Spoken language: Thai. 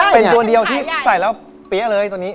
เป็นตัวเดียวที่ใส่แล้วเปี๊ยะเลยตัวนี้